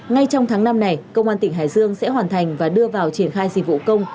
ngay trong tháng năm này công an tỉnh hải dương sẽ hoàn thành và đưa vào triển khai dịch vụ công